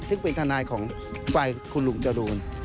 ซึ่งเป็นทนายของฝ่ายคุณลุงจรูน